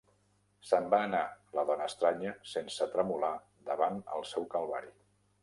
Se'n va anar, la dona estranya, sense tremolar davant el seu calvari.